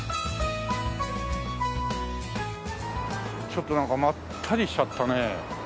ちょっとなんかまったりしちゃったね。